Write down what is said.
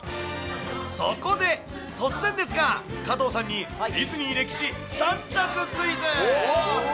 そこで突然ですが、加藤さんにディズニー歴史３択クイズ。